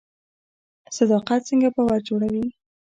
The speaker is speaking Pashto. صداقت څنګه باور جوړوي؟